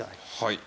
はい。